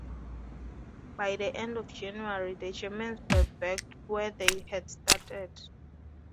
By the end of January the Germans were back where they had started.